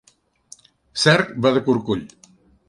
Cerc va de corcoll.